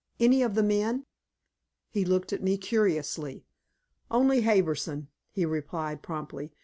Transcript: Any of the men?" He looked at me curiously. "Only Harbison," he replied promptly.